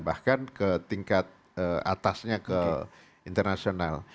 bahkan ke tingkat atasnya ke internasional